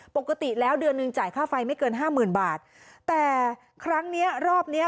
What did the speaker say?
ปกติแล้วเดือนหนึ่งจ่ายค่าไฟไม่เกินห้าหมื่นบาทแต่ครั้งเนี้ยรอบเนี้ย